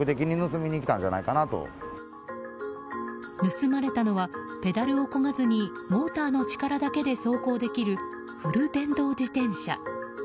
盗まれたのはペダルをこがずにモーターの力だけで走行できるフル電動自転車。